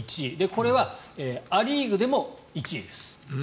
これはア・リーグでも１位です。